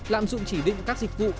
lạm dụng chỉ định các dịch vụ